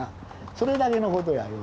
それだけのことやいう。